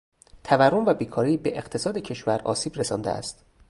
تورم و بیکاری به اقتصاد کشور آسیب رسانده است.